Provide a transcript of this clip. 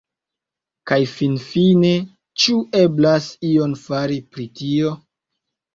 Kaj finfine, ĉu eblas ion fari pri tio?